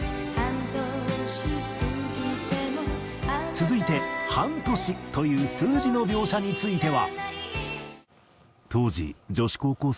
続いて「半年」という数字の描写については。